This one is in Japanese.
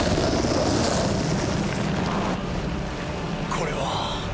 これは！